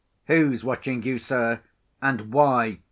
"Who's watching you, sir,—and why?"